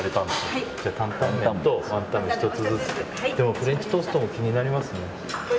フレンチトーストも気になりますね。